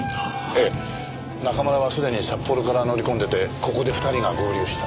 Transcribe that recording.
ええ中村はすでに札幌から乗り込んでてここで２人が合流した。